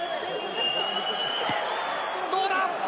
どうだ？